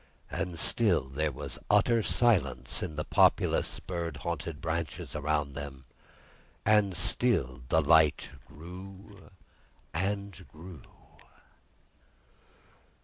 And still there was utter silence in the populous bird haunted branches around them; and still the light grew and grew.